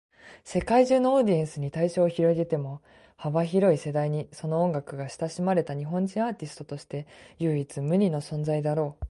世界中のオーディエンスに対象を広げても、幅広い世代にその音楽が親しまれた日本人アーティストとして唯一無二の存在だろう。